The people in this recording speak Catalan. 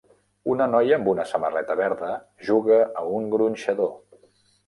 Una noia amb una samarreta verda juga a un gronxador.